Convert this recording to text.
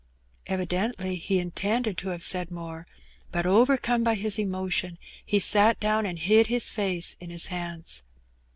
^^ Evidently he intended to have said more, but overcome hy his emotion, he sat down and hid his face in his hands.